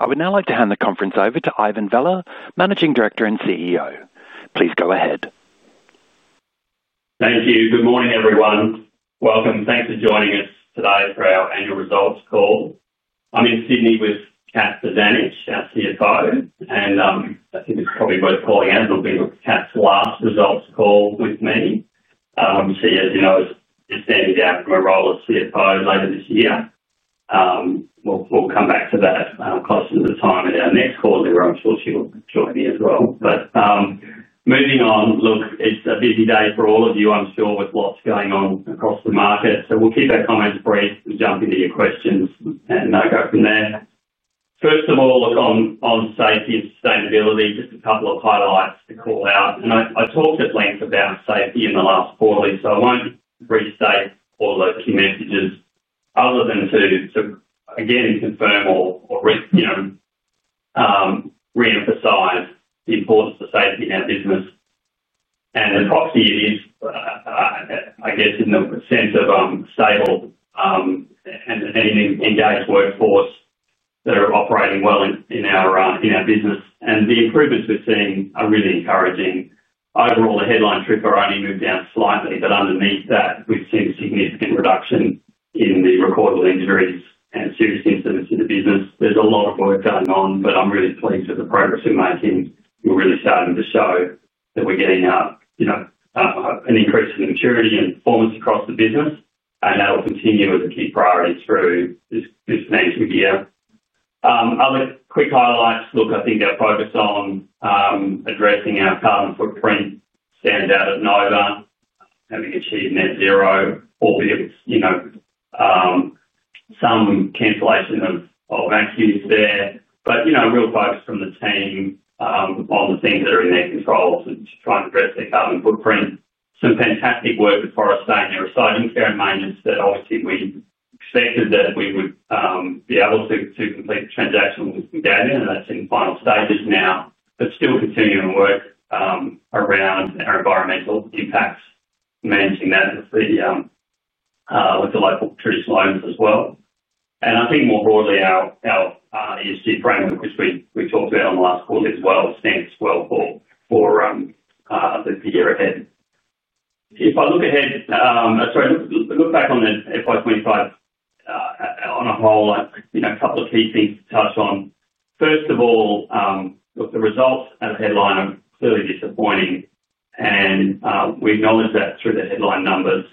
I would now like to hand the conference over to Ivan Vella, Managing Director and CEO. Please go ahead. Thank you. Good morning, everyone. Welcome. Thanks for joining us today for our annual results call. I'm in Sydney with Kathleen Bozanic, our CFO, and I think it's probably worth calling out, it'll be Kath's last results call with me. She, as you know, is stepping down from her role as CFO later this year. We'll come back to that closer to the time in our next call, where I'm sure she'll join me as well. Moving on, look, it's a busy day for all of you, I'm sure, with lots going on across the market. We'll keep that comment brief. We'll jump into your questions and go from there. First of all, on safety and sustainability, just a couple of highlights to call out. I talked at length about safety in the last quarter, so I won't restate all of the messages other than to again confirm or, you know, reemphasize the importance of safety in our business. As costly as it is, I guess in the sense of stable and in an engaged workforce that are operating well in our business and the improvements we're seeing are really encouraging. Overall, the headline TRIFR only moved down slightly, but underneath that, we've seen a significant reduction in the recorded injuries and serious incidents in the business. There's a lot of work going on, but I'm really pleased with the progress we're making, we're really starting to show, that we're getting out, you know, an increase in maturity and performance across the business and that will continue as a key priority through this next year. Other quick highlights, look, I think our focus on addressing our carbon footprint stands out at Nova. Having achieved net zero, all the others, you know, some cancellation of old accidents there. Real focus from the team, of all the things that are in their controls and to try and address their carbon footprint. Some fantastic work across that. We're starting to go in maintenance that obviously we expected that we would be able to complete the transactional data and that's in the final stages now. Still continuing to work around our environmental impacts, managing that with the local produce loans as well. More broadly, our ESG framework, which we talked about in the last quarter as well, stands well for the year ahead. If I look ahead, I'm sorry, look back on the FY 2025 on a whole, a couple of key things to touch on. First of all, look, the results out of headline are clearly disappointing. We acknowledge that through the headline numbers.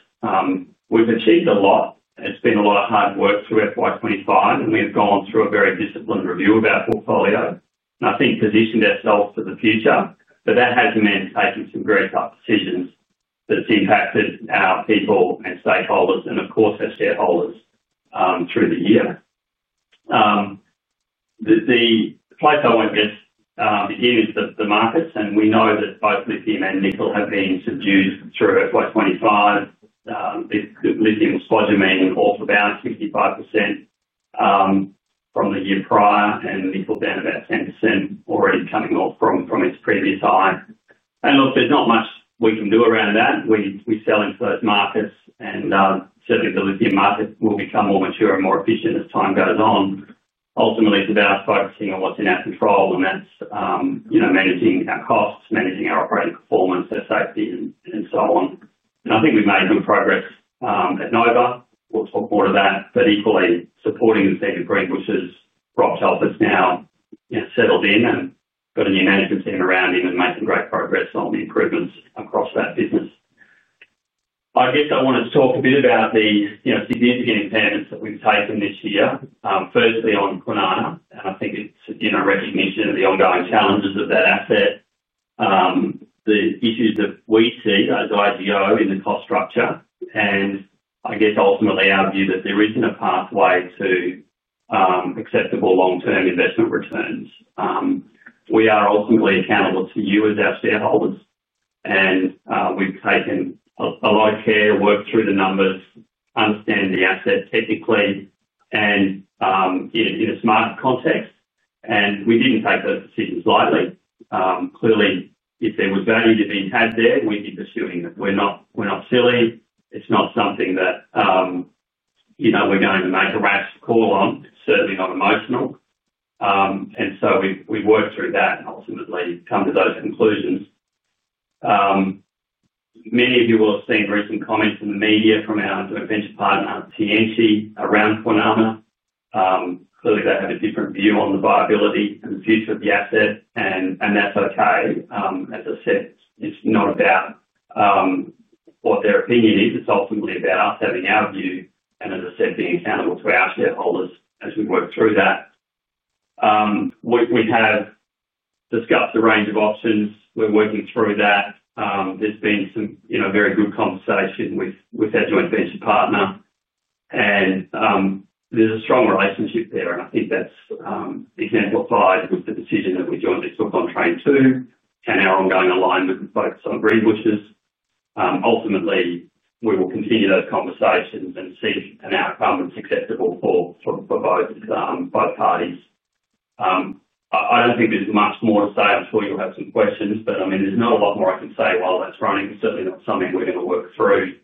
We've achieved a lot. It's been a lot of hard work through FY 2025. We've gone through a very disciplined review of our portfolio. I think positioned ourselves for the future, but that hasn't meant taking some very tough decisions that have impacted our people and stakeholders, and of course, our shareholders, through the year. The plateau at the beginning of the markets, and we know that both lithium and nickel have been subdued through FY 2025. Lithium is slowly remaining off about 65% from the year prior, and nickel down about 10% already coming off from its previous high. There's not much we can do around that. We're selling first markets, and certainly the lithium market will become more mature and more efficient as time goes on. Ultimately, it's about focusing on what's in our control, and that's, you know, managing our costs, managing our operating performance, our safety, and so on. I think we've made good progress at Nova. We'll talk more to that, but equally, supporting executive group, which is right, tells us now it's settled in and got a new management team around it and made some great progress on the improvements across that business. I guess I want to talk a bit about the significant advance that we've taken this year, further beyond Kwinana. I think it's recognition of the ongoing challenges of that asset, the issues that we see, those IGO in the cost structure. I guess ultimately our view that there isn't a pathway to acceptable long-term investment returns. We are ultimately accountable to you as our shareholders. We've taken a lot of care, worked through the numbers, understand the assets technically, and in a smart context. We didn't take those decisions lightly. Clearly, if there was value to being had there, we'd be pursuing them. We're not silly. It's not something that we're going to make a rash call on. It's certainly not emotional. We've worked through that and ultimately come to those conclusions. Many of you will have seen recent comments in the media from our venture partner, Tianqi, around Kwinana, clearly, they have a different view on the viability and future of the asset. That's okay. As I said, it's not about what their opinion is. It's ultimately about us having our view and, as I said, being accountable to our shareholders as we work through that. We have discussed the range of options. We're working through that. There's been some very good conversation with our joint venture partner, and there's a strong relationship there. I think that's example five of the decision that we joined the cook on trade too and how I'm going to align with the focus on Greenbushes, which is ultimately, we will continue those conversations and see if our department's acceptable for both parties. I don't think there's much more to say. I'm sure you'll have some questions, but there's not a lot more I could say while that's running. It's certainly not something we're going to work through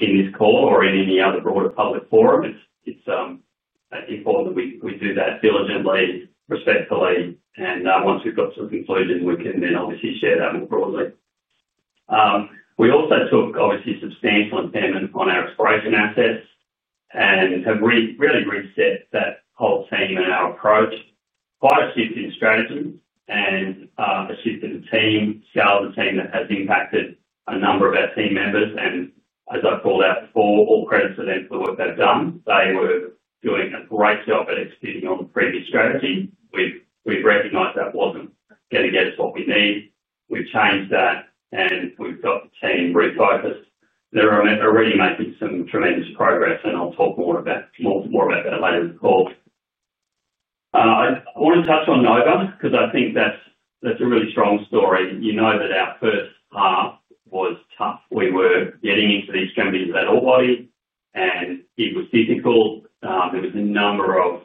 in this call or in any other broader public forum. It's important that we do that diligently, respectfully. Once we've got some conclusion, we can then obviously share that more broadly. We also took, obviously, substantial improvement on our exploration assets and have really reset that whole team and our approach. Quite a shift in strategy and a shift in the team, scale of the team that has impacted a number of our team members. As I've called out before, all credit to them for the work they've done. They were doing a great job at executing on the previous strategy. We've recognized that wasn't getting us what we need. We changed that and we've got the team refocused. They're already making some tremendous progress, and I'll talk more about that later in the call. I want to touch on Nova because I think that's a really strong story. You know that our first half was tough. We were getting into this company as an ore body, and it was difficult. There was a number of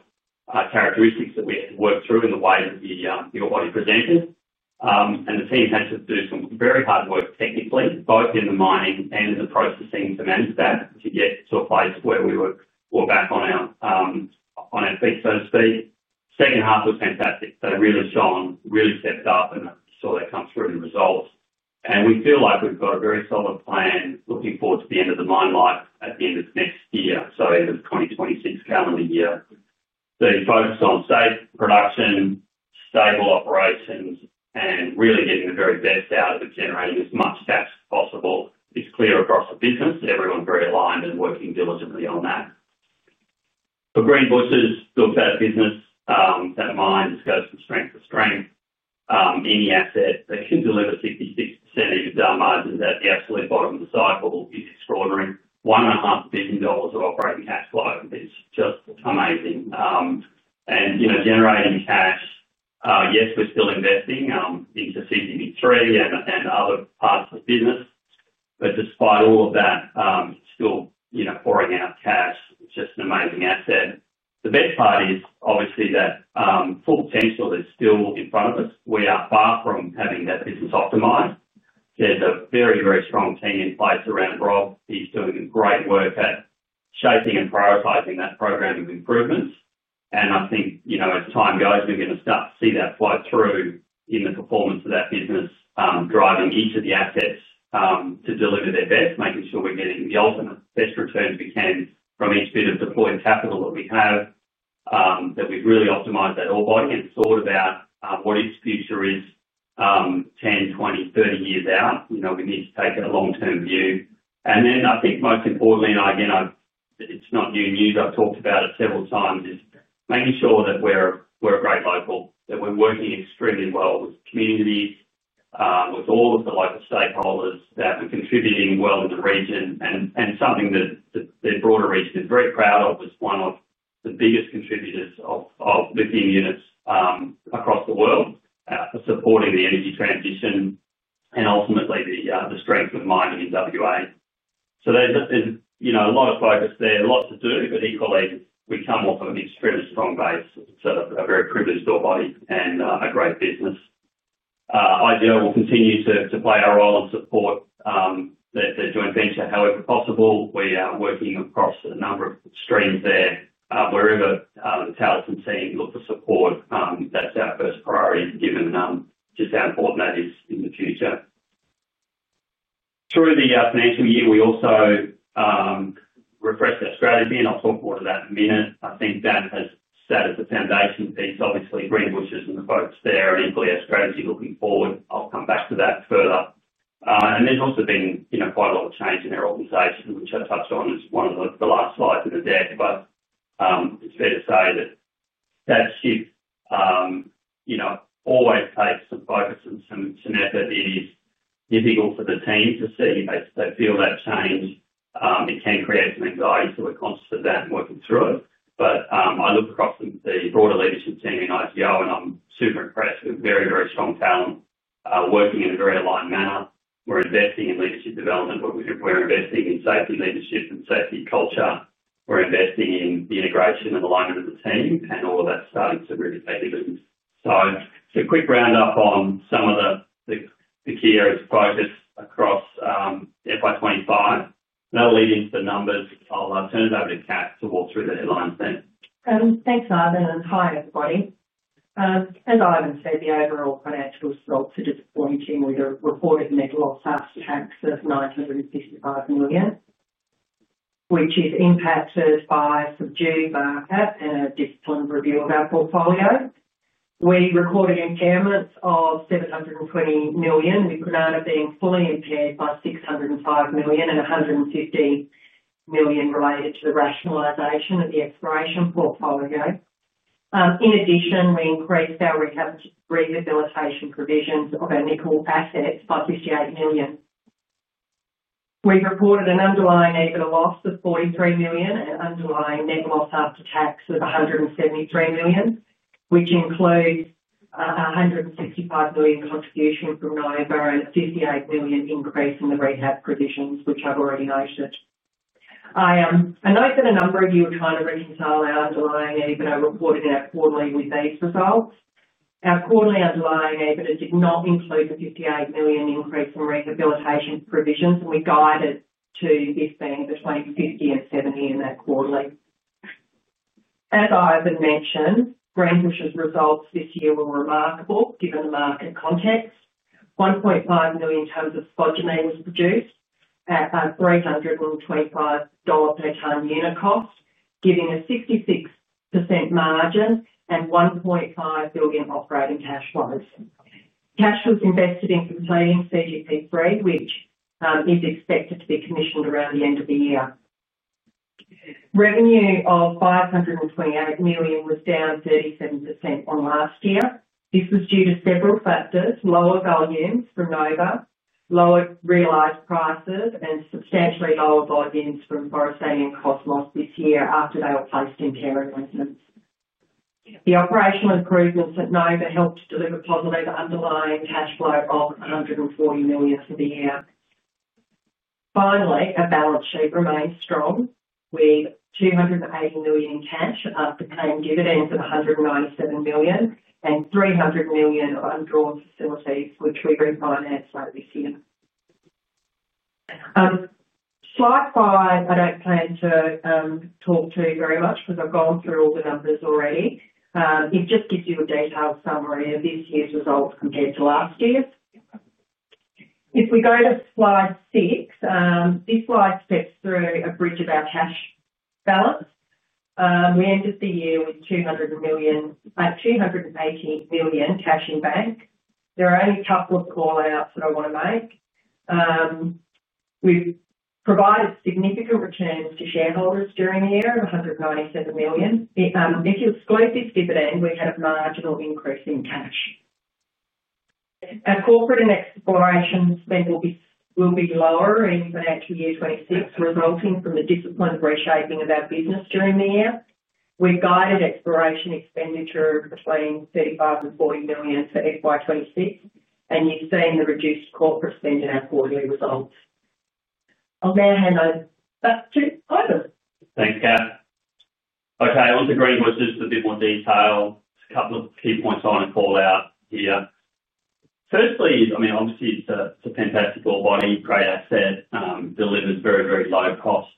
characteristics that we had to work through in the way that the ore body presented, and the team had to do some very hard work technically, both in the mining and in the processing to manage that to get to a place where we were back on our peak, so to speak. Second half was fantastic. They really shone, really stepped up, and I saw that come through the results. We feel like we've got a very solid plan looking forward to the end of the mine life at the end of next year, so end of the 2026 calendar year. You focus on safe production, stable operations, and really getting the very best out of it, generating as much cash as possible. It's clear across the business. Everyone's very aligned and working diligently on that. For Greenbushes, talk about the business, that mine just goes from strength to strength. Any asset that can deliver 66% of our margins at the absolute bottom of the cycle will be extraordinary. $1.5 billion of operating cash flow is just amazing, and you know, generating cash. Yes, we're still investing into seasoning three and other parts of the business. Despite all of that, still pouring out cash, it's just an amazing asset. The best part is, obviously, that full potential is still in front of us. We are far from having that business optimized. There's a very, very strong team in place around the role. He's doing great work at shaping and prioritizing that program of improvements. I think, you know, as time goes, we're going to start to see that flow through in the performance of that business, driving into the assets to deliver their best, making sure we're getting the ultimate best returns we can from each bit of deployed capital that we have, that we've really optimized that ore body and thought about what its future is 10, 20, 30 years out. You know, we need to take a long-term view. I think most importantly, and again, it's not new news, I've talked about it several times, is making sure that we're a great local, that we're working extremely well with the community, with all of the local stakeholders that are contributing well to the region. It's something that the broader region is very proud of, as one of the biggest contributors of lithium units across the world, supporting the energy transition and ultimately the strength of mining in WA. There's been a lot of focus there, a lot to do, but equally, we come off an extremely strong base, sort of a very privileged ore body and a great business. IGO will continue to play our role and support the joint venture however possible. We are working across a number of streams there, wherever the talents would see look for support. That's our first priority given just how important that is in the future. Through the financial year, we also refreshed our strategy, and I'll talk more to that in a minute. I think that has set as the foundation piece, obviously, Greenbushes and the folks there and equally our strategy looking forward. I'll come back to that further. There's also been quite a lot of change in our organization. We turned it past Jonathon as one of the last slides that are there, but it's fair to say that that shift, you know, always takes the focus and some effort. It is difficult for the team to see. They feel that change, it can create some anxiety, so we're conscious of that and working through it. I look across the broader leadership team in IGO and I'm super impressed. Very, very strong talent working in a very aligned manner. We're investing in leadership development. We're investing in safety leadership and safety culture. We're investing in the integration of the lives of the team, and all of that started to really pay. It's a quick roundup on some of the key areas of focus across the FY 2025. Now lead into the numbers. I'll turn it over to Kath to walk through the deadlines then. Thanks, Ivan, and hi, everybody. As Ivan said, the overall financial results are disappointing. We reported a net loss of $955 million, which is impacted by subdued market and a disciplined review of our portfolio. We recorded impairments of $720 million, with Kwinana being fully impaired by $605 million and $150 million related to the rationalization of the exploration portfolio. In addition, we increased our rehabilitation provisions of our nickel assets by $58 million. We reported an underlying net loss of $43 million and an underlying net loss after tax of $173 million, which includes a $155 million contribution from Nova and a $58 million increase in the rehab provisions, which I've already noted. I noticed that a number of you were trying to reconcile our underlying EBITDA reported out quarterly with these results. Our quarterly underlying EBITDA does not include the $58 million increase in rehabilitation provisions, and we guided to this being between $50 million and $70 million in that quarterly. As Ivan mentioned, Greenbushes' results this year were remarkable given the market context. 1.5 million tons of spodumene was produced at a $325 per ton unit cost, giving a 66% margin and $1.5 billion operating cash flows. Cash was invested in containing CGP freight, which is expected to be commissioned around the end of the year. Revenue of $520 million was down 37% on last year. This was due to several factors: lower volumes from Nova, lower realized prices, and substantially lower volumes from Boris Day and Cosmos this year after they were placed in paradise. The operational improvements at Nova helped deliver positive underlying cash flow of $140 million for the year. Finally, our balance sheet remains strong with $280 million in cash, the same dividends of $197 million, and $300 million of undrawn facilities, which we've refinanced late this year. Slide five, I don't plan to talk to you very much because I've gone through all the numbers already. It just gives you a detailed summary of this year's results compared to last year. If we go to slide six, this slide steps through a bridge of our cash balance. We ended the year with $200 million. I have $218 million cash in the bank. There are only a couple of call-outs that I want to make. We've provided significant returns to shareholders during the year of $197 million. If you exclude this dividend, we had a marginal increase in cash. Our corporate and exploration spend will be lower in about 2026, resulting from a disciplined reshaping of our business during the year. We've guided exploration expenditure between $35 million and $40 million for FY 2026, and you've seen the reduced corporate spend in our quarterly results. I'll now hand over back to Ivan. Thanks, Kath. Okay, onto Greenbushes for a bit more detail. A couple of key points I want to call out here. Firstly, I mean, obviously, it's a fantastic orebody, great asset, delivered very, very low cost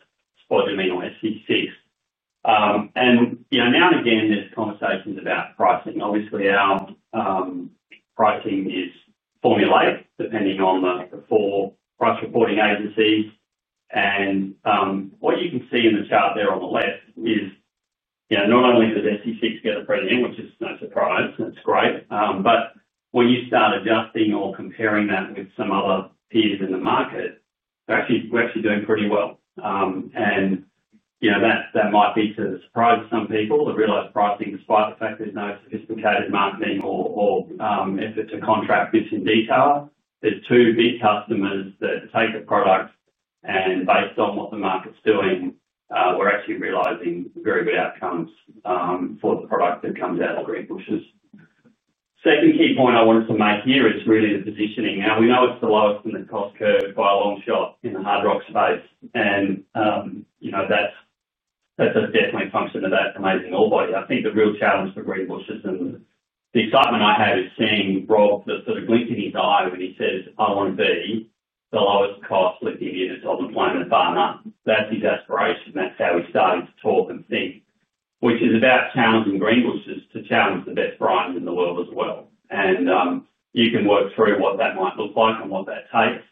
for the main SC6. And you know, now and again, there's conversations about pricing. Obviously, our pricing is formulaic depending on the four price reporting agencies. What you can see in the chart there on the left is, you know, not only does SC6 get a premium, which is no surprise, and it's great, but when you start adjusting or comparing that with some other peers in the market, we're actually doing pretty well. That might be to the surprise of some people, the real-life pricing despite the fact there's no sophisticated marketing or effort to contract bits in detail. There are two big customers that take our product, and based on what the market's doing, we're actually realizing very good outcomes for the product that comes out of Greenbushes. Second key point I wanted to make here is really the positioning. Now, we know it's the lowest in the cost curve by a long shot in the hard rock space, and that's a definite function of that amazing orebody. I think the real challenge for Greenbushes and the excitement I have is seeing Rob for the sort of glistening side of it. He says, "I want to be the lowest cost lithium units on the planet by now." That's his aspiration. That's how he started to talk and think, which is about challenging Greenbushes to challenge the best price in the world as well. You can work through what that might look like and what that takes.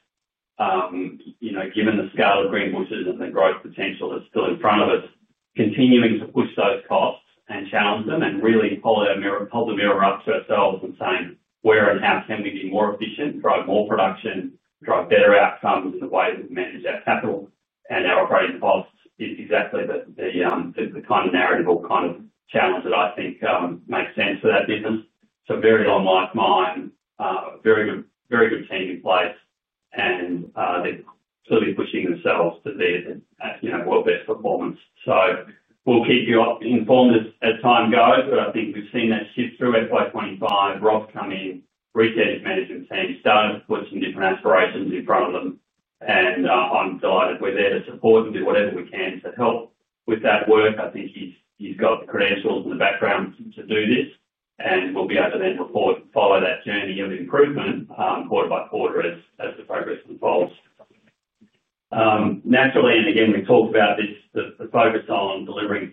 Given the scale of Greenbushes and the growth potential that's still in front of us, continuing to push those costs and challenge them and really hold the mirror up to ourselves and saying, "Where and how can we be more efficient, drive more production, drive better outcomes in the way we manage our capital and our operating costs?" is exactly the kind of narrative or kind of challenge that I think makes sense for that business. Very long-life mine, very good, very good team in place, and they're clearly pushing themselves to be the world's best performance. We'll keep you informed as time goes, but I think we've seen that shift through FY 2025. Rob's come in, reset his management team's stance, put some different aspirations in front of them, and I'm delighted we're there to support and do whatever we can to help with that work. I think he's got the credentials in the background to do this, and we'll be able to then follow that journey of improvement quarter-by-quarter as the progress unfolds. Naturally, again, we talked about this, the focus on delivering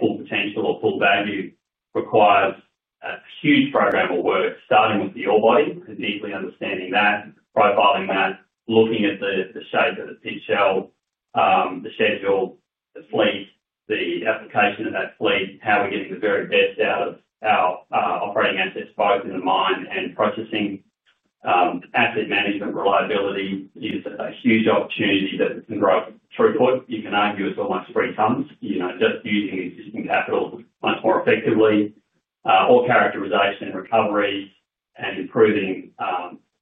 full potential or full value requires a huge program of work, starting with the orebody, and deeply understanding that, profiling that, looking at the shape of the pit shell, the shed of your fleet, the application of that fleet, how we're getting the very best out of our operating assets, both in the mine and the processing. Asset management reliability is a huge opportunity that can grow throughput. You can argue it's almost 3x, you know, just using the existing capital more effectively, or characterization and recovery and improving,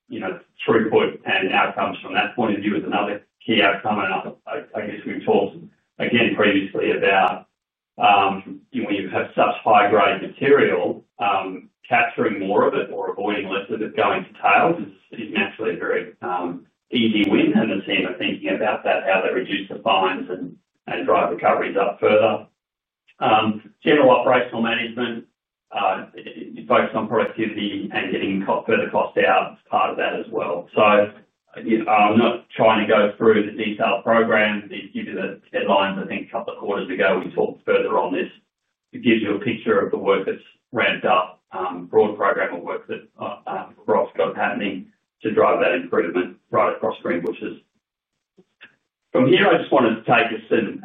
you know, throughput and outcomes from that point of view is another key outcome. I guess we've talked, again, previously about, you know, when you have such high-grade material, capturing more of it or avoiding less of it going to tails, it's actually a very easy win. The team are thinking about that, how they reduce the fines and drive the coverage up further. General operational management, you focus on productivity and getting further cost out as part of that as well. I'm not trying to go through the detailed program. I did give you the designs, I think, a couple of quarters ago. We talked further on this. It gives you a picture of the work that's ramped up, broader program of work that Rob's got happening to drive that improvement right across Greenbushes. From here, I just wanted to take this and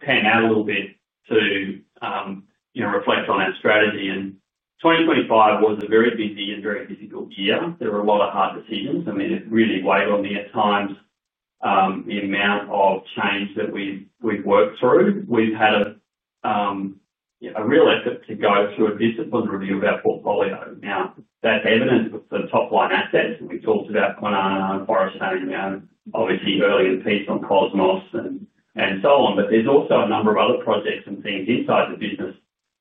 pan out a little bit to, you know, reflect on our strategy. 2025 was a very busy and very difficult year. There were a lot of hard decisions. I mean, it really weighed on me at times, the amount of change that we've worked through. We've had a real effort to go through a disciplined review of our portfolio. Now, that's evident with the top-line assets that we talked about, Kwinana, Boris Day's man, obviously, earlier the piece on Cosmos and so on. There's also a number of other projects and things inside the business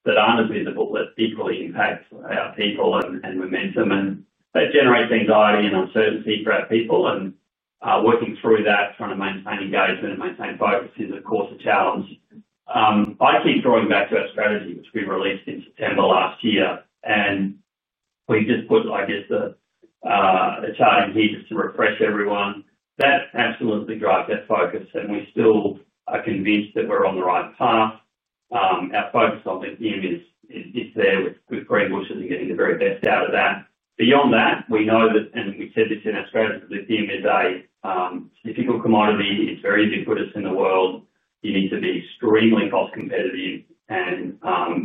that aren't as visible, that deeply impact our people and momentum. That generates anxiety and uncertainty for our people. Working through that, trying to maintain engagement and maintain focus is, of course, a challenge. Going back to our strategy, which has been released in the last year, we've just put a challenge here to refresh everyone. That absolutely drives our focus, and we still are convinced that we're on the right path. Our focus on lithium is there with Greenbushes and getting the very best out of that. Beyond that, we know that, and we've said this in Australia, lithium is a difficult commodity. It's very ubiquitous in the world. You need to be extremely cost-competitive and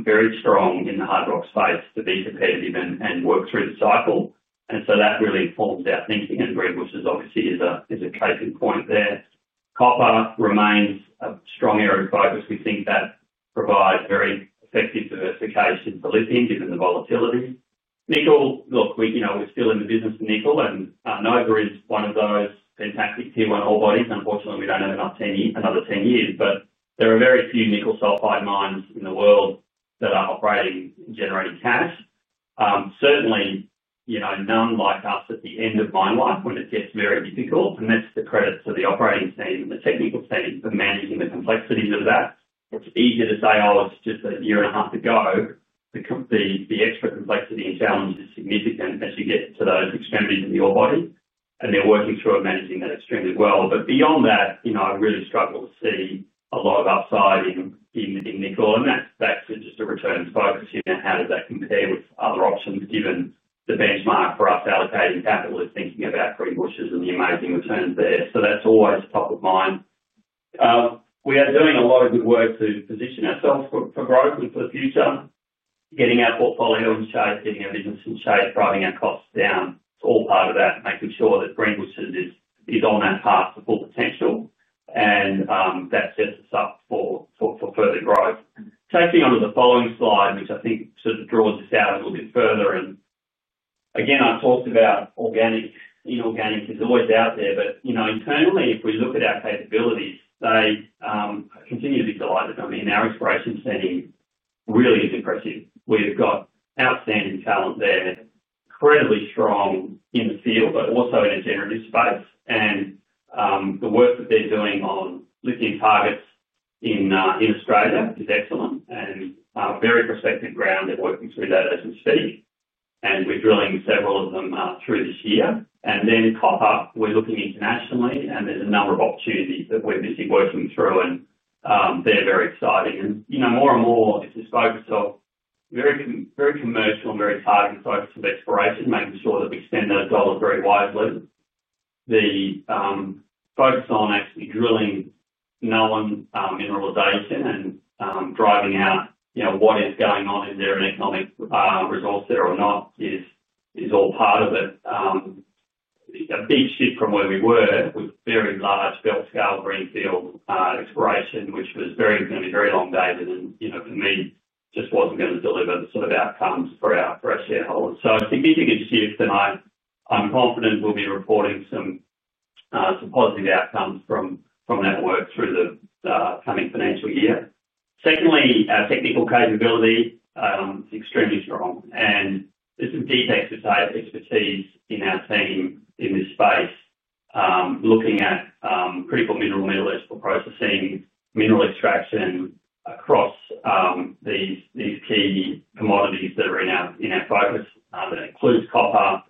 very strong in the hydro space to be competitive and work through the cycle. That really informs our thinking, and Greenbushes obviously is a key point there. Copper remains a strong area of focus. We think that provides very effective diversification for lithium because of the volatility. Nickel, we're still in the business of nickel, and Nova is one of those fantastic T1 ore bodies. Unfortunately, we don't have another 10 years, but there are very few nickel sulfide mines in the world that are operating and generating cash. Certainly, none like us at the end of mine life when it gets very difficult, and that's the credit to the operating team and the technical team for managing the complexities of that. It's easier to say, oh, it's just a year and a half ago. The extra complexity and challenge is significant as you get to those expanding to the ore body, and they're working through and managing that extremely well. Beyond that, I really struggle with seeing a lot of upside in nickel, and that's just a return to focus. How does that compare with other options given the benchmark for us allocating capital and thinking about Greenbushes and the amazing returns there? That's always top of mind. We are doing a lot of good work to position ourselves for growth for the future, getting our portfolio in shape, getting our business in shape, driving our costs down. All part of that, making sure that Greenbushes is on that path to full potential, and that sets us up for further growth. Taking on the following slide, which I think sort of draws us out a little bit further. I talked about organic, inorganic is always out there, but internally, if we look at our capabilities, they continue to be delighted. I mean, our exploration setting really is impressive. We've got outstanding talent there, incredibly strong in the field, but also in a generalist space. The work that they're doing on lithium targets in Australia is excellent and very prospective ground, they're working through that as we speak. We're drilling several of them through this year. The copper, we're looking internationally, and there's a number of opportunities that we're busy working through, and they're very exciting. More and more, it's just focused on very, very commercial and very exciting focus of exploration, making sure that we extend our dollars very widely. The focus on actually drilling known mineral data and driving out what is going on. Is there an economic resource there or not is all part of it. A big shift from where we were, which was very large belt scale greenfield exploration, which was very clearly very long dated and, for me, just wasn't going to deliver the sort of outcomes for our shareholders. A significant shift, and I'm confident we'll be reporting some positive outcomes from our work through the coming financial year. Secondly, our technical capability is extremely strong, and it's indeed that expertise in our team in this space, looking at critical mineral metallurgical processing, mineral extraction across these key commodities that are in our focus, that include copper,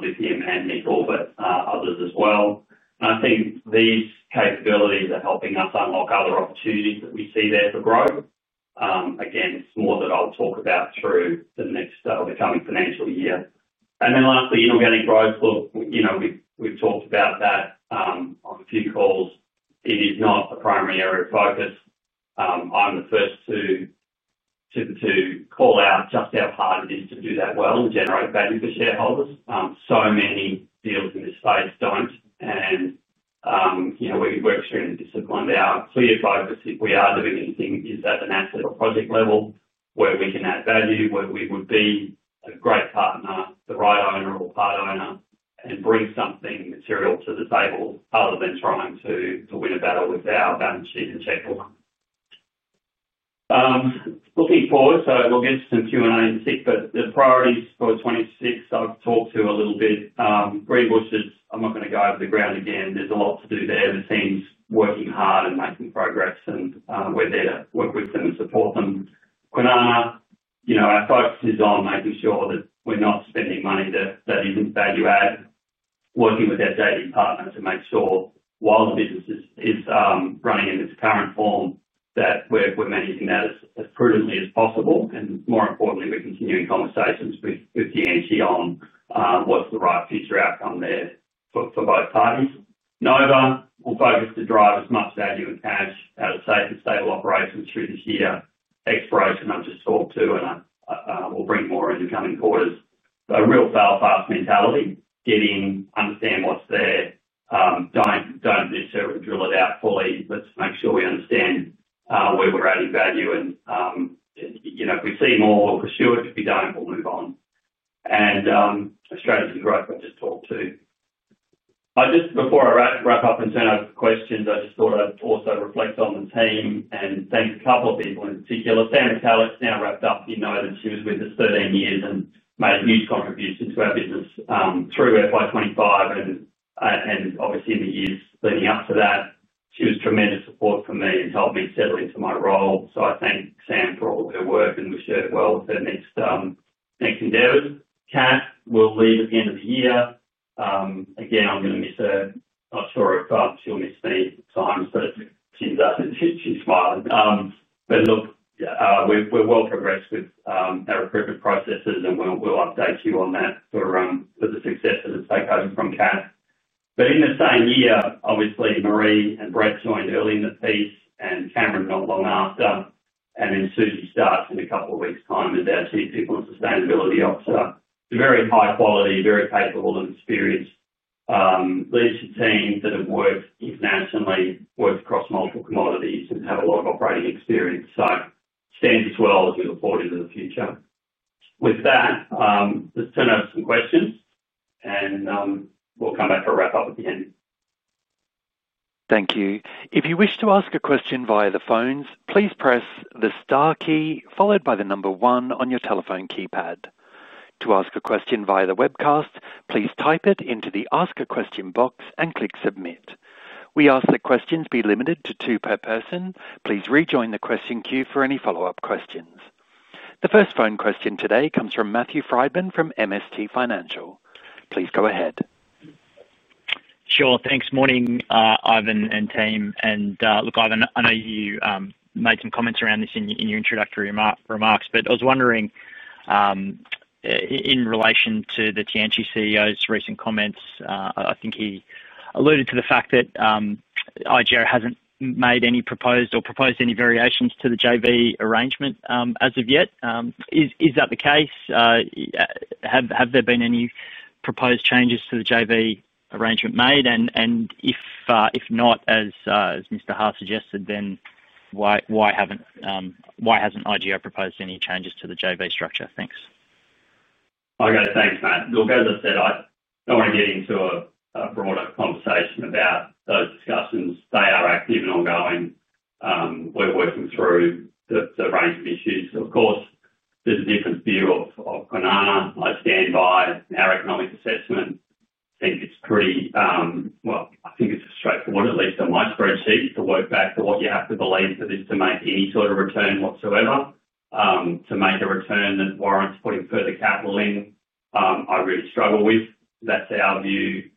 lithium, and nickel, but others as well. I think these capabilities are helping us unlock other opportunities that we see there for growth. Again, it's more that I'll talk about through the next that will be coming financial year. Lastly, inorganic growth, look, we've talked about that on a few calls. It is not a primary area of focus. I'm the first to call out just our part of it to do that well or generate value for shareholders. So many deals in this space don't, and we're extremely disciplined. Our clear focus, if we are doing anything, is at an asset or project level where we can add value, where we would be a great partner, the right owner or part owner, and bring something material to the table other than trying to win a battle with our management and shareholders. Looking forward, we'll get to some Q&A in a bit, but the priorities for 2026, I've talked to a little bit. Greenbushes, I'm not going to go over the ground again. There's a lot to do there. The team's working hard and making progress, and we're there to work with them and support them. Kwinana, you know, our focus is on making sure that we're not spending money that isn't value-add, working with our data department to make sure while the business is running in its current form, that we're managing that as prudently as possible. More importantly, we're continuing conversations with TLEA on what's the right future outcome there for both parties. Nova, we'll focus to drive as much value as cash out of safe and stable operations through this year. Exploration, I've just talked to, and I'll bring more as we come in quarters. A real fail-fast mentality. Get in, understand what's there. Don't necessarily drill it out fully. Let's make sure we understand where we're adding value. If we see more, we'll pursue it. If we don't, we'll move on. A strategy growth I just talked to. Before I wrap up and send out the questions, I just thought I'd also reflect on the team and send a couple of people in particular, Sam Retallack's now wrapped up in Nova. She was with us 13 years and made a huge contribution to our business, through FY 2025 and obviously in the years leading up to that. She was tremendous support for me and helped me settle into my role. I thank Sam for all her work and we share the wealth in this next endeavor. Kath will leave at the end of the year. I'm going to miss her. I'm sure she'll miss me at times, but she's smiling. We're well progressed with our recruitment processes and we'll update you on that for the success that is taken from Kath. In the same year, obviously, Marie and Brett joined the building the piece and Karen not long after. Suzie starts in a couple of weeks' time as our Chief People and Sustainability Officer. They're very high quality, very capable and experienced leadership teams that have worked internationally, worked across multiple commodities and have a lot of operating experience. Stand as well as you look forward into the future. With that, let's turn over some questions and we'll come back and wrap up at the end. Thank you. If you wish to ask a question via the phones, please press the star key followed by the number one on your telephone keypad. To ask a question via the webcast, please type it into the ask a question box and click submit. We ask that questions be limited to two per person. Please rejoin the question queue for any follow-up questions. The first phone question today comes from Matthew Frydman from MST Financial Services. Please go ahead. Sure. Thanks. Morning, Ivan and team. Ivan, I know you made some comments around this in your introductory remarks, but I was wondering, in relation to the TLEA CEO's recent comments, I think he alluded to the fact that IGO hasn't made any proposed or proposed any variations to the JV arrangement as of yet. Is that the case? Have there been any proposed changes to the JV arrangement made? If not, as Mr. Ha suggested, then why hasn't IGO proposed any changes to the JV structure? Thanks. Okay, thanks, Matt. Like I said, I don't want to get into a broader conversation about those discussions. They are active and ongoing. We're working through the range of issues. Of course, there's a different view of Kwinana. I stand by our economic assessment. It's pretty, I think it's just straightforward, at least in my spreadsheet, to work back to what you have to believe for this to make any sort of return whatsoever. To make a return that warrants putting further capital in, I really struggle with. That's our view.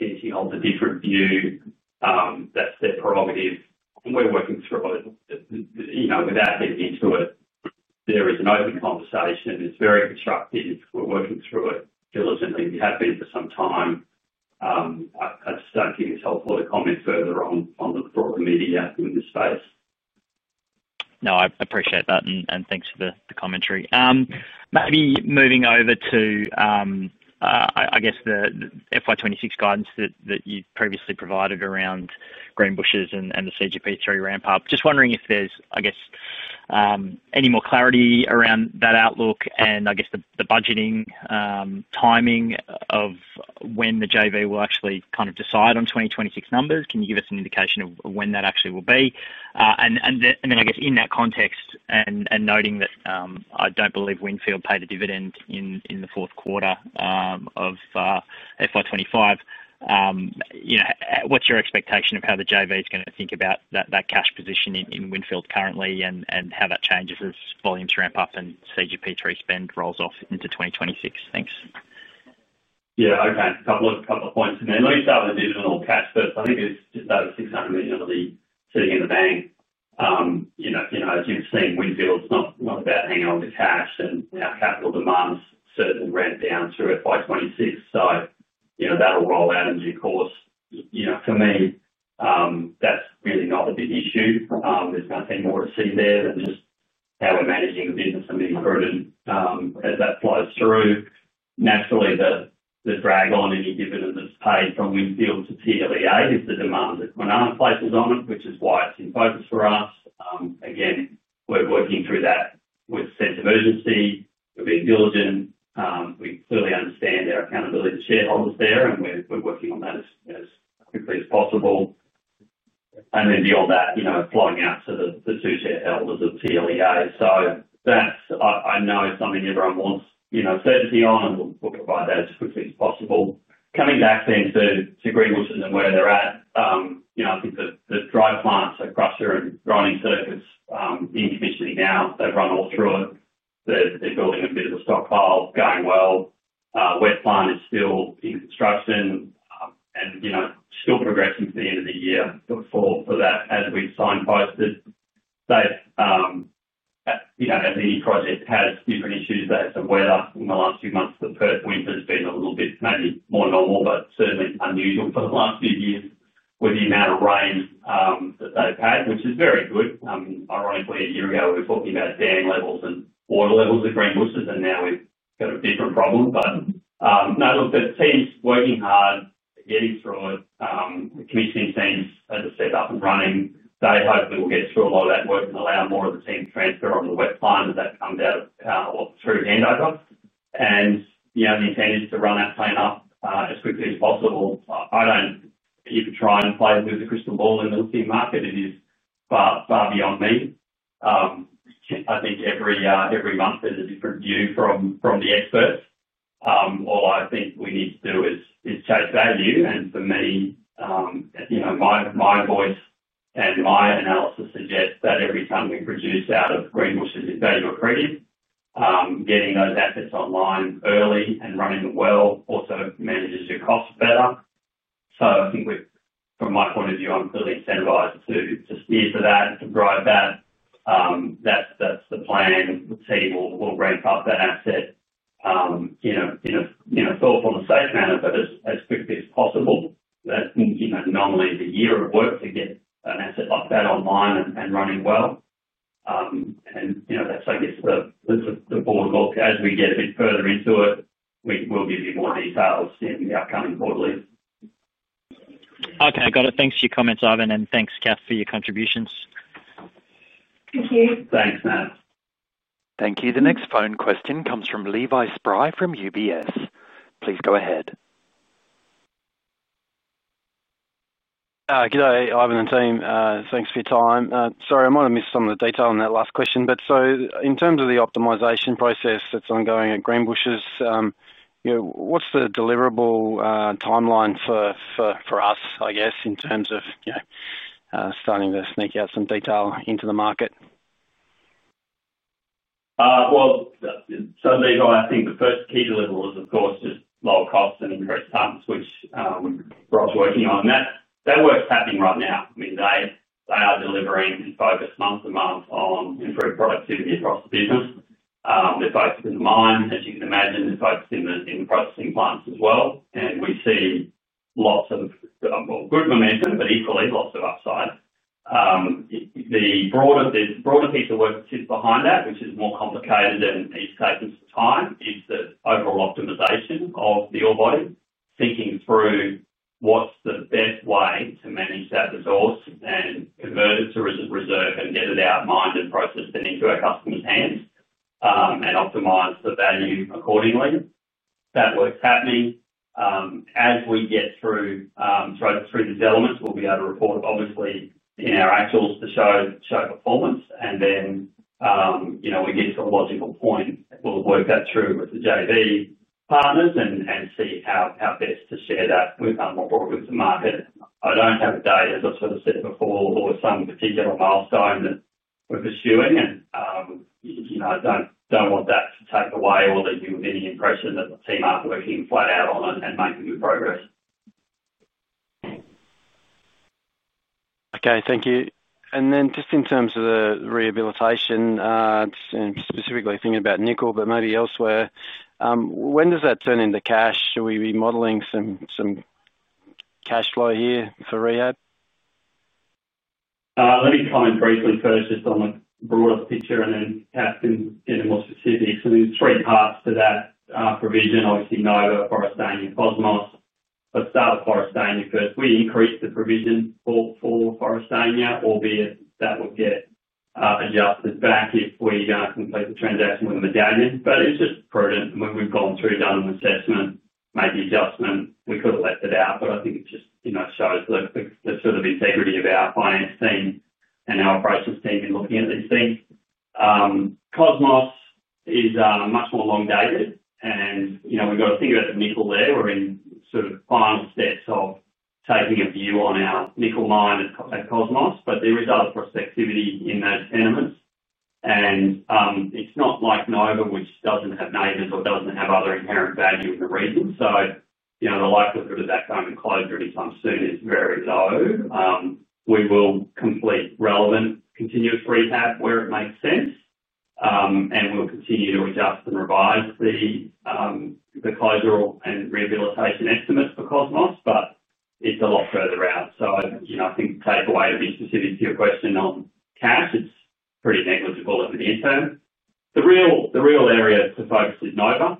TLEA holds a different view. That's their prerogative. We're working through it. There is an open conversation. It's very constructive. We're working through it diligently. We have been for some time. I just don't think it's helpful to comment further on the media. No, I appreciate that. Thanks for the commentary. Maybe moving over to, I guess, the FY 2026 guidance that you previously provided around Greenbushes and the CGP3 ramp-up. Just wondering if there's any more clarity around that outlook and the budgeting timing of when the JV will actually decide on 2026 numbers. Can you give us an indication of when that actually will be? In that context and noting that I don't believe Winfield paid a dividend in the fourth quarter of FY 2025, what's your expectation of how the JV is going to think about that cash position in Winfield currently and how that changes as volumes ramp up and CGP3 spend rolls off into 2026? Thanks. Yeah, okay. A couple of points again. I didn't say I'm a digital cash person. I think it's just that it's exactly the other thing, sitting in the bank. You know, as you've seen, IGO's not about hanging on to cash and our capital demands certainly ramp down through FY 2026. You know, that'll roll out. Of course, for me, that's really not a big issue. There's nothing more to see there than just how we're managing the business and being prudent as that flows through. Naturally, the drag on any dividend that's paid from IGO to TLEA is the demand that Kwinana places on, which is why it's in focus for us. We're working through that with a sense of urgency. We're being diligent. We clearly understand our accountability to shareholders there, and we're working on that as quickly as possible. Then you've got that flowing out to the two shareholders at TLEA. I know it's something everyone wants certainty on, and we'll provide that as quickly as possible. Coming back, thanks, to Greenbushes and where they're at. I think the driver plants across here are running service. The industry now, they've run all through it. They're building a bit of a stockpile, going well. Westland is still in construction and still progressing to the end of the year. Look forward to that as we signpost it. Every project has different issues. There's some weather in the last few months that put winters being a little bit, maybe more normal, but certainly unusual for the last few years with the amount of rain that they've had, which is very good. Ironically, a year ago, we were talking about dam levels and water levels at Greenbushes, and now we've got a different problem. The team's working hard, getting through it. Commissioning teams are set up and running. They hopefully will get through a lot of that work and allow more of the team to transfer over to Westland as that comes out through Vendava. The intent is to run that plan up as quickly as possible. I don't even try to play the movie crystal ball in the lithium market. It is far, far beyond me. I think every month is a different view from the experts. All I think we need to do is chase value. The main, at the end of my voice and my analysis, suggests that every tonne we produce out of Greenbushes is value created. Getting those assets online early and running it well also manages your costs better. I think, from my point of view, I'm fully incentivized to steer for that, to drive about. That's the plan. The team will ramp up that asset in a thoughtful and safe manner, but as quickly as possible. Normally, the year of work to get an asset like that online and running well, and that's, I guess, the ball of luck. As we get a bit further into it, we will give you more details in the upcoming quarterly. Okay, got it. Thanks for your comments, Ivan, and thanks, Kathleen, for your contributions. Thank you. Thanks, Matt. Thank you. The next phone question comes from Levi Spry from UBS. Please go ahead. Good day, Ivan and team. Thanks for your time. Sorry, I might have missed some of the detail on that last question. In terms of the optimization process that's ongoing at Greenbushes, what's the deliverable timeline for us, I guess, in terms of starting to sneak out some detail into the market? The first key deliverable is, of course, just low cost and increased terms, which Ross is working on. That work's happening right now. They are delivering and focused month to month on improved productivity across the business. They're focused in the mine, as you can imagine, and focused in the producing plants as well. We see lots of good momentum, but equally lots of upside. The broader piece of work that sits behind that, which is more complicated in these cases of time, is the overall optimization of the all-body, thinking through what's the best way to manage that resource and convert it to a reserve and get it out of mine and process it into our customer's hands, and optimize the value accordingly. That work's happening. As we get through the developments, we'll be able to report, obviously, in our actuals to show performance. You know, we get to a logical point. We'll work that through with the JV partners and see how best to share that with our more important market. I don't have a date, as I sort of said before, or some particular milestone that we're pursuing. I don't want that to take away or that you'll be the impression that the team aren't working flat out on and making good progress. Okay, thank you. In terms of the rehabilitation, and specifically thinking about nickel, but maybe elsewhere, when does that turn into cash? Should we be modeling some cash flow here for rehab? Let me comment briefly first just on the broader picture and then in a more specific, so there's three parts to that provision. Obviously, Nova, Forrestania, and Cosmos. Let's start with Forrestania first. We increased the provision for Forrestania, albeit that will get adjusted back if we're going to complete the transaction with MLG. It's just prudent. When we've gone through, done an assessment, made the adjustment, we could have left it out. I think it just shows the sort of integrity of our finance team and our process team in looking at these things. Cosmos is much more long-dated, and we've got to think about the nickel there. We're in the final steps of taking a view on our nickel mine at Cosmos, but there is other prospectivity in those elements. It's not like Nova, which doesn't have neighbors or doesn't have other inherent value in rehab. The likelihood of that coming to closure in some suit is very low. We will complete relevant continuous rehab where it makes sense, and we'll continue to adjust and revise the closure and rehabilitation estimates for Cosmos, but it's a lot further out. I think the takeaway of this, to fit into your question on cash, it's pretty negligible over the interim. The real area for focus is Nova.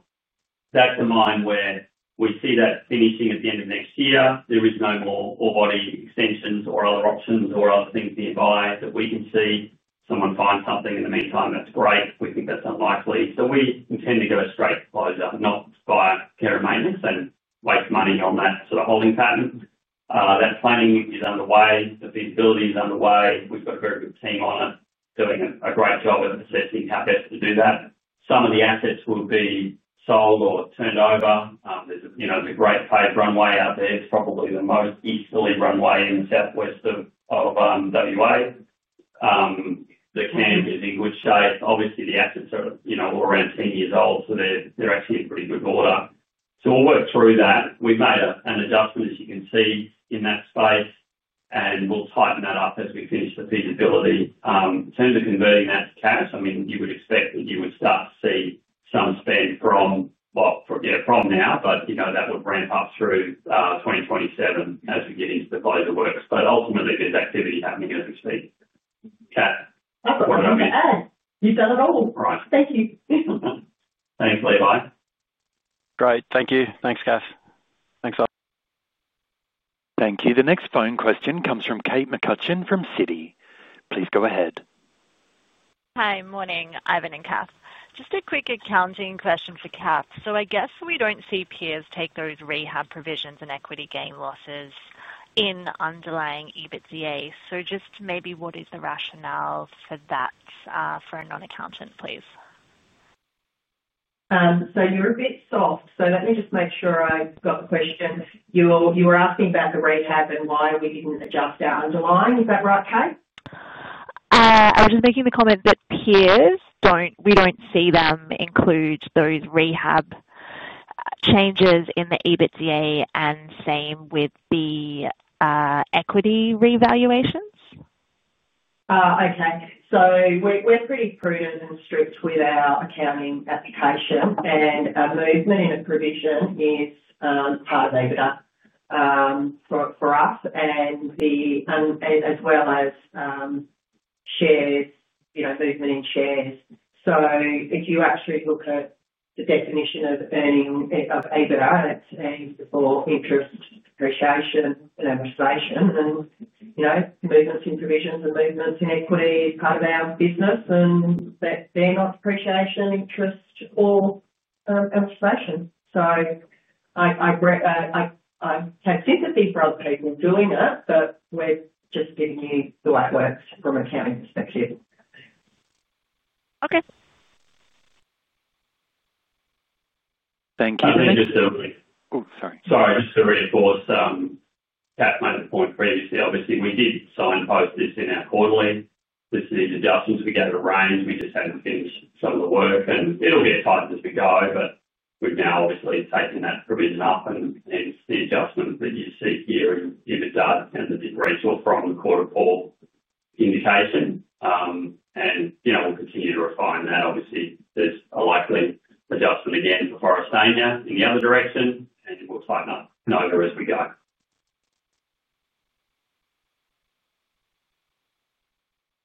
That's the mine where we see that finishing at the end of next year. There are no more orebody extensions or other options or other things nearby that we can see. If someone finds something in the meantime, that's great. We think that's unlikely. We intend to go straight to closure, not via care and maintenance and waste money on that sort of holding pattern. That planning is underway. The feasibility is underway. We've got a very good team on this doing a great job of assessing how best to do that. Some of the assets will be sold or turned over. There's the great paved runway out there. It's probably the most easterly runway in the southwest of WA. The camp is in good shape. Obviously, the assets are all around 10 years old, so they're actually in pretty good order. We'll work through that. We've made an adjustment, as you can see, in that space, and we'll tighten that up as we finish the feasibility. In terms of converting that to cash, you would expect that you would start to see some spend from now, but that will ramp up through 2027 as we get into the closure work. Ultimately, there's activity that we don't expect. You've done it all. All right, thank you. Thanks, Levi. Great, thank you. Thanks, Kath. That's all. Thank you. The next phone question comes from Kate McCutcheon from Citi. Please go ahead. Hi, morning, Ivan and Kath. Just a quick accounting question for Kath. I guess we don't see peers take those rehabilitation provisions and equity gain losses in underlying EBITDA. Maybe what is the rationale for that for a non-accountant, please? Let me just make sure I got the question. You were asking about the rehabilitation provisions and why we didn't adjust our underlying, is that right, Kate? I was just making the comment that peers don't, we don't see them include those rehab changes in the EBITDA, and same with the equity revaluations? Okay. We're pretty prudent and strict with our accounting application. Our movement in the provisions is part of EBITDA for us, as well as shared, you know, movement in shares. If you actually look at the definition of the value of EBITDA, it's aimed for interest, appreciation, and amortization. Movements in provisions and movements in equity are part of our business, and that's then off appreciation, interest, or amortization. I have sympathy for other people doing it, but we're just getting used to the way it works from an accounting perspective. Okay. Thank you. Sorry to reinforce Kath's main point previously. Obviously, we did signpost this in our quarterly. With the adjustments, we get it arranged. We just had to finish some of the work, and it'll be a fight as we go, but we've now obviously taken that pretty enough. The adjustment that you said here is either done and a differential from quarter four indication, and you know, we'll continue to refine that. Obviously, there's a likely adjustment in the end for Forestania in the other direction, and it will tighten up. No risk we go.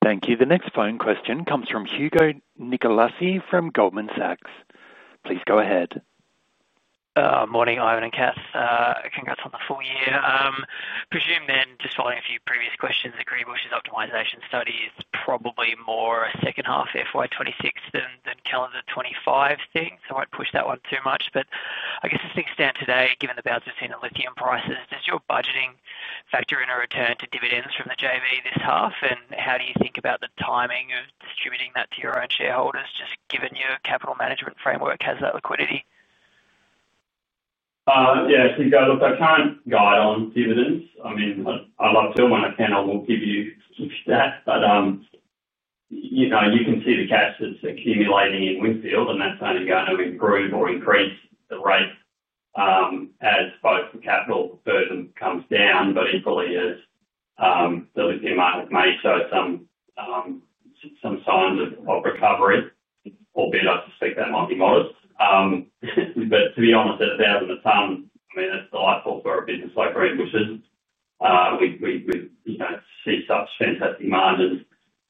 Thank you. The next phone question comes from Hugo Nicolaci from Goldman Sachs. Please go ahead. Morning, Ivan and Kath. Congrats on the full year. Presume then, just following a few previous questions, the Greenbushes optimization study is probably more a second half FY 2026 than calendar 2025 thing. I might push that one too much, but I guess to the extent today, given the bounce we've seen in lithium prices, does your budgeting factor in a return to dividends from the JV this half? How do you think about the timing of distributing that to your own shareholders, just given your capital management framework has that liquidity? Yeah, I think I look, I can't guide on dividends. I'd love to, and when I can, I will give you that. You can see the cash that's accumulating in Windfield, and that's only going to improve or increase the rate as both the capital burden comes down, but equally as the lithium mine with money. It's some signs of recovery, albeit I suspect that might be modest. To be honest, at $1,000 a ton, that's the light bulb growth in this location, which is, you can't see such fantastic margins.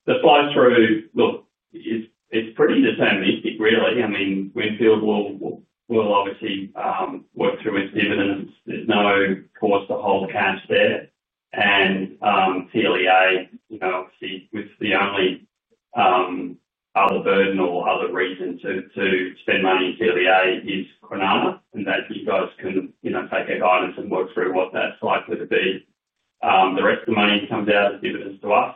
The flow-through, look, it's pretty determined, really. Windfield will obviously work through its dividends. There's no cause to hold accounts there. TLEA, obviously, with the only other burden or other reason to spend money in TLEA is Kwinana. You guys can take a guidance and work through what that's likely to be. The rest of the money comes out of the dividends to us.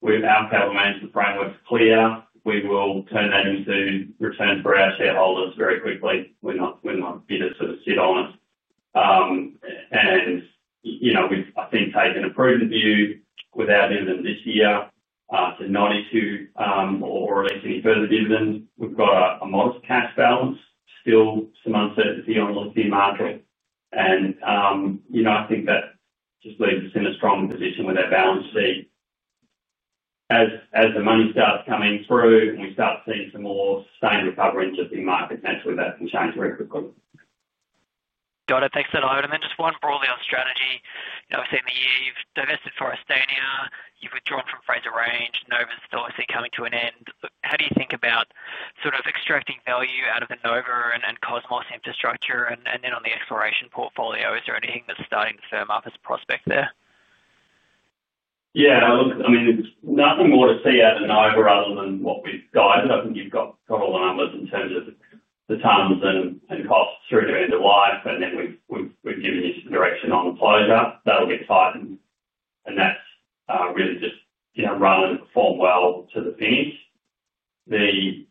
With our power management framework clear, we will turn that into returns for our shareholders very quickly. We're not going to sort of sit on it. We've, I think, taken a prudent view with our dividends this year to not issue or release any further dividends. We've got a modest cash balance, still some uncertainty on the lithium market. I think that just leaves us in a strong position with that balance there. As the money starts coming through and we start seeing some more sustained recovery in the lithium market as we're about to change. Got it. Thanks for that, Ivan. Just one broadly on strategy. Obviously, in the year, you've divested Forestania. You've withdrawn from Fraser Range. Nova's obviously coming to an end. How do you think about sort of extracting value out of the Nova and Cosmos infrastructure? On the exploration portfolio, is there anything that's starting to firm up as a prospect there? Yeah, no, look, I mean, there's nothing more to see out of Nova other than what we've guided. I think you've got a lot of incentives at the terms and passed through to the end of life. We've given you some direction on the closure. That'll get tightened. That's really just, you know, rather than perform well to the finish. The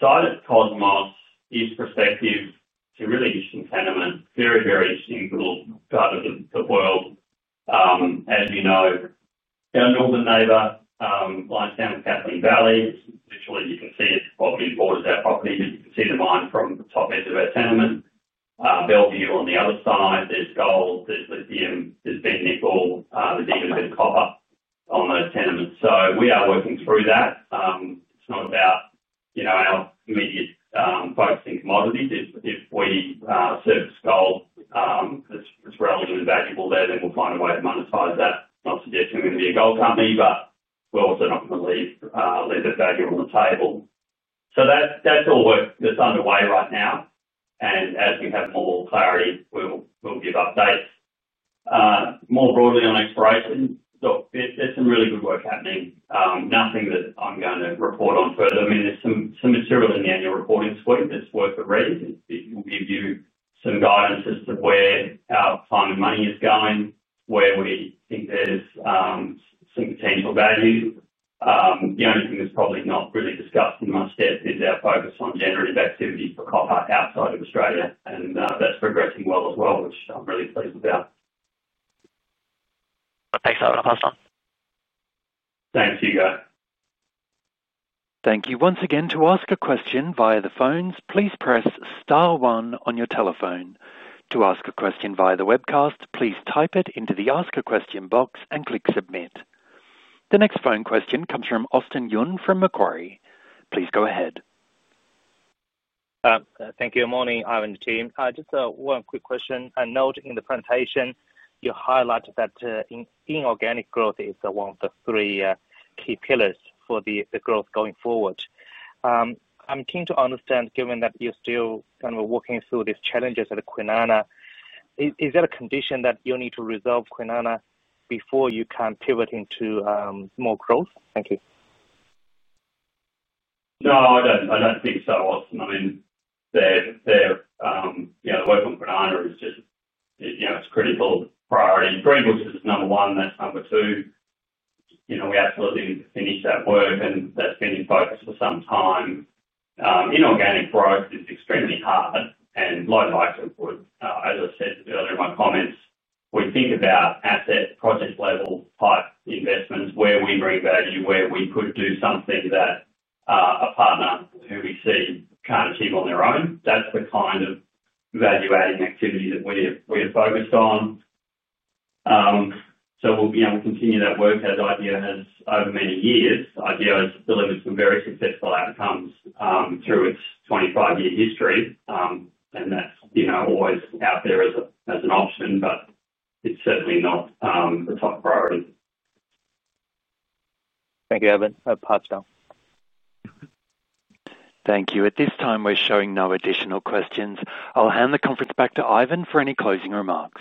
side of Cosmos is prospective. It really isn't an element. Very, very suitable part of the world. As you know, our northern neighbor, Lightsounds Catherine Valley, literally you can see it probably borders that property. You can see the mine from the top edge of our tenement. Belleview on the other side, there's gold. This is a, you know, this business ball. The dividends are high on those tenements. We are working through that. It's not about, you know, our immediate focusing commodities. If we service gold, that's relatively valuable there, then we'll find a way to monetize that. I'm not suggesting we're going to be a gold company, but we're also not going to leave that value on the table. That's all work that's underway right now. As we have more clarity, we'll give updates. More broadly on exploration, look, there's some really good work happening. Nothing that I'm going to report on further. I mean, there's some material in the annual reporting suite that's worth a read. It will give you some guidance as to where our fund money is going, where we inverted some potential value. The only thing that's probably not really discussed in my steps is our focus on generative activity for copper outside of Australia. Thanks, Ivan. I'll pass on. Thanks, Hugo. Thank you. Once again, to ask a question via the phones, please press star one on your telephone. To ask a question via the webcast, please type it into the ask a question box and click submit. The next phone question comes from Austin Yun from Macquarie. Please go ahead. Thank you. Morning, Ivan and team. Just one quick question. I note in the presentation you highlighted that inorganic growth is one of the three key pillars for the growth going forward. I'm keen to understand, given that you're still kind of working through these challenges at Kwinana, is that a condition that you'll need to resolve Kwinana before you can pivot into more growth? Thank you. No, I don't think so. I mean, yeah, the work with Kwinana is just, you know, it's a critical priority. Greenbushes is number one. That's number two. You know, we absolutely need to finish that work, and that's going to be the focus for some time. Inorganic growth is extremely hard and low likelihood. As I said earlier in my comments, we think about asset project level type investments where we bring value, where we could do something that a partner who we see can't achieve on their own. That's the kind of value-adding activity that we have focused on. We'll be able to continue that work as IGO has over many years. IGO has delivered some very successful outcomes through its 25-year history. That's always out there as an option, but it's certainly not the top priority. Thank you, Ivan. I'll pass now. Thank you. At this time, we're showing no additional questions. I'll hand the conference back to Ivan for any closing remarks.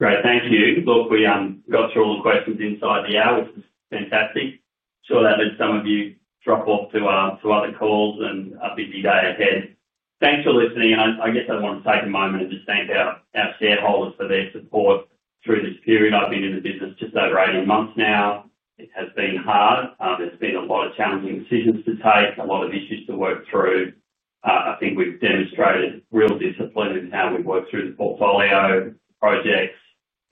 Great. Thank you. Look, we got through all the questions inside the hour, which was fantastic. Sure, that lets some of you drop off to other calls and a busy day ahead. Thanks for listening. I guess I want to take a moment and just thank our shareholders for their support through this period. I've been in the business just over 18 months now. It has been hard. There's been a lot of challenging decisions to take, a lot of issues to work through. I think we've demonstrated real discipline in how we work through the portfolio, projects,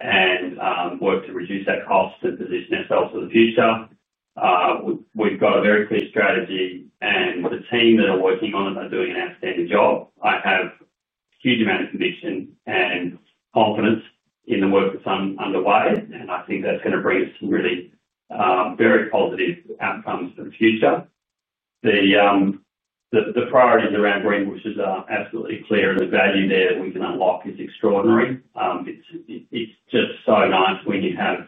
and work to reduce our costs and position ourselves for the future. We've got a very clear strategy, and the team that are working on it are doing an outstanding job. I have a huge amount of conviction and confidence in the work that's underway. I think that's going to bring us some really very positive outcomes for the future. The priorities around Greenbushes are absolutely clear, and the value there that we can unlock is extraordinary. It's just so nice when you have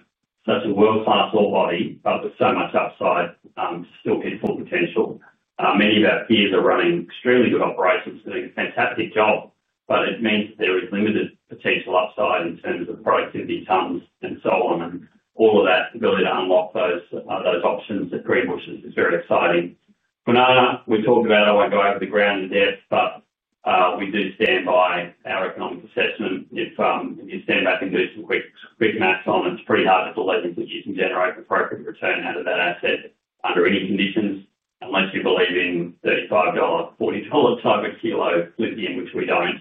such a world-class orebody, but with so much upside, still beautiful potential. Many of our peers are running extremely good operations and have a good job, but it means that there is limited potential upside in terms of productivity terms and so on. All of that ability to unlock those options at Greenbushes is very exciting. Kwinana, we talked about it. I won't go over the ground to death, but we do stand by our economic assessment. If you stand back and do some quick maths on it, it's pretty hard to believe that you can generate a profit return out of that asset under any conditions unless you're believing the $5.40 target for your load of lithium, which we don't.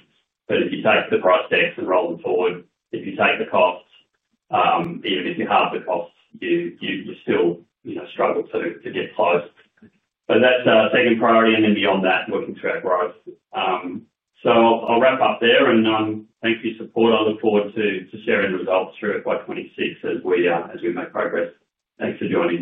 If you take the price test and roll it forward, if you take the cost, even if you halve the cost, you still, you know, struggle to get close. That's our second priority. Beyond that, working through our growth. I'll ramp up there, and thank you for your support. I look forward to sharing the results through FY2026 as we make progress. Thanks for joining.